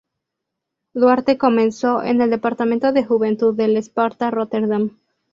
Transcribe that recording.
Duarte comenzó en el departamento de juventud del Sparta Rotterdam.